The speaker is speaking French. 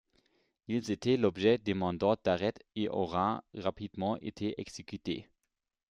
Ils étaient l'objet de mandats d’arrêt et auraient rapidement été exécutés.